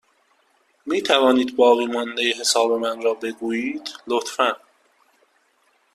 می توانید باقیمانده حساب من را بگویید، لطفا؟